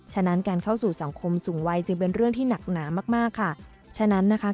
ฉะนั้นการเข้าสู่สังคมสูงวัยจึงเป็นเรื่องที่หนักหนามากมากค่ะฉะนั้นนะคะ